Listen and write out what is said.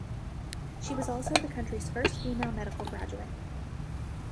She was also the country's first female medical graduate.